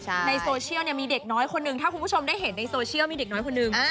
ในโซเชียลมีเด็กน้อยคนนึงถ้าคุณผู้ชมได้เห็นในโซเชียลมีเด็กน้อยคนนึง